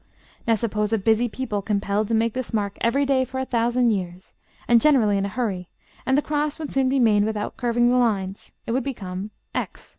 Now suppose a busy people compelled to make this mark every day for a thousand years, and generally in a hurry, and the cross would soon be made without curving the lines; it would become X.